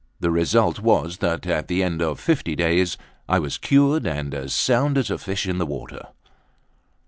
The result was that at the end of fifty days I was cured and as sound as a fish in the water.